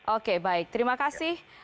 oke baik terima kasih